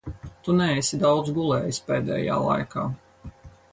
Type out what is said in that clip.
Tu neesi daudz gulējis pēdējā laikā.